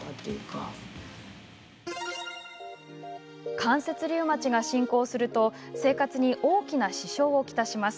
関節リウマチが進行すると生活に大きな支障を来します。